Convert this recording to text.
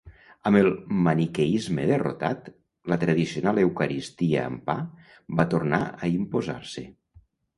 Amb el maniqueisme derrotat, la tradicional eucaristia amb pa va tornar a imposar-se.